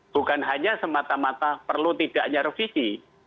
bukan hanya semata mata perlu tidak nyarevisi